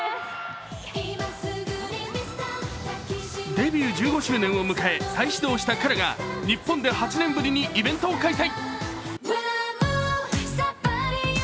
デビュー１５周年を迎え再始動したＫＡＲＡが日本で８年ぶりにイベントを開催。